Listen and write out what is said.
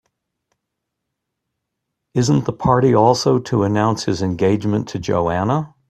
Isn't the party also to announce his engagement to Joanna?